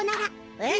えっ？